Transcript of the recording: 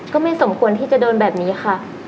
ก็ไม่สมควรที่จะโดนแบบนี้ค่ะ